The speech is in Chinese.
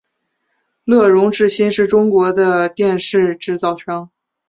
乐融致新是中国的电视制造商。